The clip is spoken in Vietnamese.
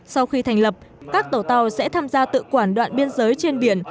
sau khi thành lập các tổ tàu sẽ tham gia tự quản đoạn biên giới trên biển